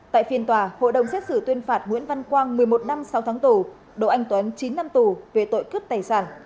tại phiên tòa hội đồng xét xử tuyên phạt nguyễn văn quang một mươi một năm sáu tháng tù đỗ anh tuấn chín năm tù về tội cướp tài sản